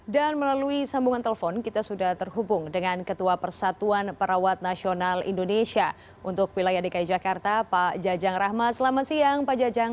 dan melalui sambungan telepon kita sudah terhubung dengan ketua persatuan perawat nasional indonesia untuk pilihan dki jakarta pak jajang rahmat selamat siang pak jajang